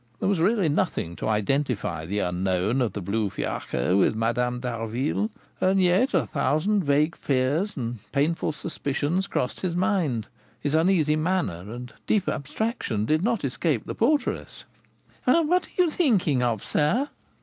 There was really nothing to identify the unknown of the blue fiacre with Madame d'Harville, and yet a thousand vague fears and painful suspicions crossed his mind; his uneasy manner and deep abstraction did not escape the porteress. "What are you thinking of, sir?"